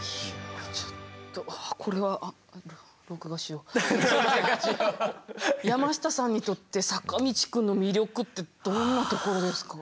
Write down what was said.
ちょっとあこれは山下さんにとって坂道くんの魅力ってどんなところですか？